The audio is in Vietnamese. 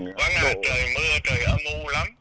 vâng ạ trời mưa trời ấm u lắm